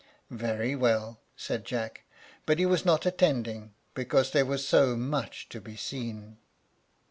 "Very well," said Jack; but he was not attending, because there was so much to be seen.